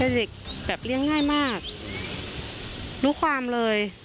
เด็กแบบเลี้ยงง่ายมากรู้ความเลย